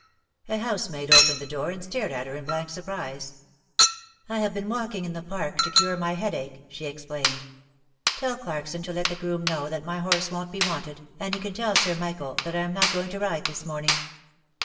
A housemaid opened the door and stared at her in blank surprise. "I have been walking in the Park to cure my headache," she explained. "Tell Clarkson to let the groom know that my horse won't be wanted, and he can tell Sir Michael that I am not going to ride this morning."